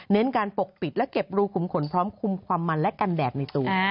การปกปิดและเก็บรูขุมขนพร้อมคุมความมันและกันแดดในตัว